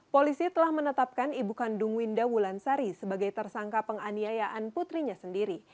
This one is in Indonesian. polisi telah menetapkan ibu kandung winda wulansari sebagai tersangka penganiayaan putrinya sendiri